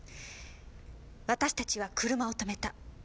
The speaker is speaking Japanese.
「私たちは車を停めた。